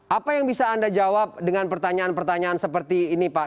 apa yang bisa anda jawab dengan pertanyaan pertanyaan seperti ini pak